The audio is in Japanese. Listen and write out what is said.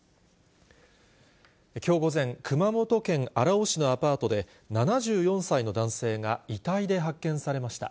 きょう午前、熊本県荒尾市のアパートで、７４歳の男性が遺体で発見されました。